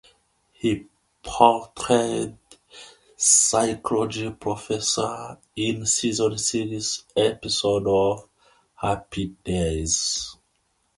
He portrayed a psychology professor in a season six episode of "Happy Days".